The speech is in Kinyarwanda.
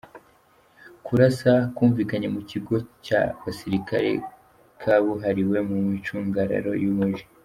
Kurasa kwumvikanye mu kigo c'abasirikare kabuhariwe mu micungararo y'umuji.